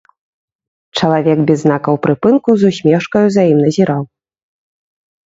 Чалавек без знакаў прыпынку з усмешкаю за ім назіраў.